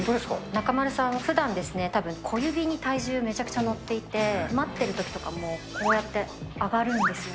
中丸さん、ふだん、たぶん小指に体重、めちゃめちゃ乗っていて、待ってるときとかも、こうやって、上がるんです。